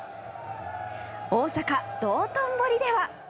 大阪・道頓堀では。